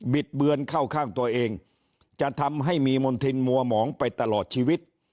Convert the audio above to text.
ดเบือนเข้าข้างตัวเองจะทำให้มีมณฑินมัวหมองไปตลอดชีวิต